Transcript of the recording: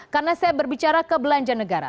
karena saya berbicara ke belanja negara